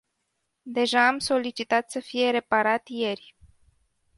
Deja am solicitat să fie reparat ieri.